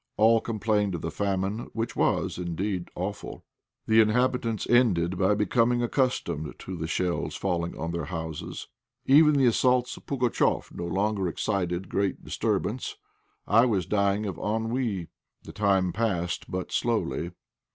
All complained of the famine, which was, indeed, awful. The inhabitants ended by becoming accustomed to the shells falling on their houses. Even the assaults of Pugatchéf no longer excited great disturbance. I was dying of ennui. The time passed but slowly.